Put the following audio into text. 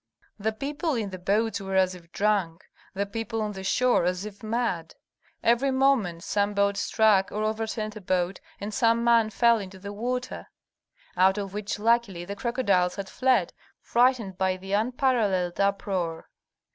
The people in the boats were as if drunk, the people on the shore as if mad. Every moment some boat struck or overturned a boat and some man fell into the water, out of which luckily the crocodiles had fled, frightened by the unparalleled uproar.